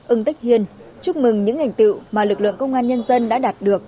ưng tích hiền chúc mừng những hành tựu mà lực lượng công an nhân dân đã đạt được